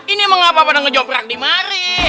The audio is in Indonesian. ini mengapa pada ngejoprak di mari